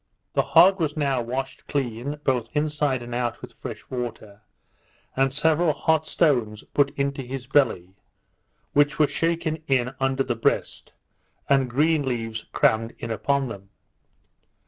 The hog was now washed clean, both inside and out, with fresh water, and several hot stones put into his belly, which were shaken in under the breast, and green leaves crammed in upon them.